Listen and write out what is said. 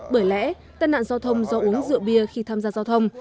bởi lẽ tai nạn giao thông do uống rượu bia khi tham gia giao thông